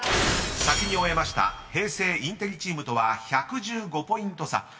［先に終えました平成インテリチームとは１１５ポイント差］